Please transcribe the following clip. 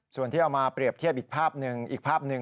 ส่วนที่เอามาเปรียบเทียบอีกภาพหนึ่ง